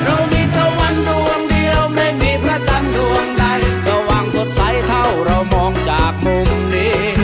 เรามีเท่าวันดวงเดียวไม่มีพระจันทร์ดวงใดสว่างสดใสเท่าเรามองจากมุมนี้